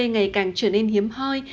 ngày càng trở nên hiếm hoi